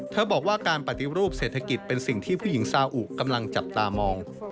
บอกว่าการปฏิรูปเศรษฐกิจเป็นสิ่งที่ผู้หญิงซาอุกำลังจับตามอง